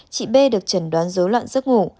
chị b được chẩn đoán dối loạn giấc ngủ